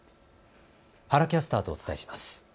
原キャスターとお伝えします。